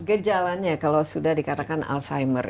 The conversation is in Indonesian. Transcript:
gejalanya kalau sudah dikatakan alzheimer